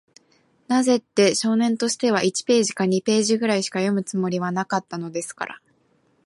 なぜって、少年としては、一ページか二ページぐらいしか読むつもりはなかったのですから。